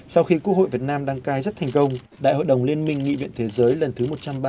sau khi quốc hội việt nam đăng cai rất thành công đại hội đồng liên minh nghị viện thế giới lần thứ một trăm ba mươi